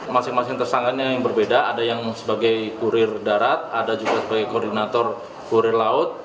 masing masing tersangkanya yang berbeda ada yang sebagai kurir darat ada juga sebagai koordinator kurir laut